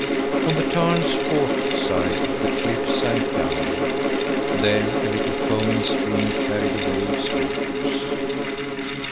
On the tarn's fourth side the cliff sank down. There a little foaming stream carried away its waters.